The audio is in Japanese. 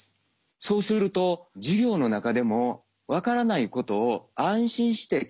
そうすると授業の中でも分からないことを安心して聞ける。